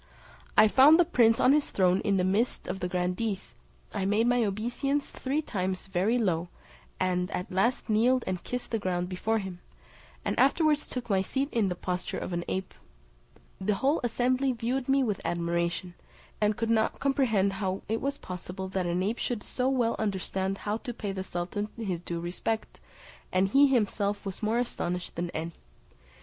I found the prince on his throne in the midst of the grandees; I made my obeisance three times very low, and at last kneeled and kissed the ground before him, and afterwards took my seat in the posture of an ape. The whole assembly viewed me with admiration, and could not comprehend how it was possible that an ape should so well understand how to pay the sultan his due respect; and he himself was more astonished than any.